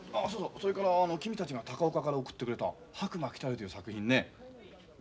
それからあの君たちが高岡から送ってくれた「白魔きたる」という作品ね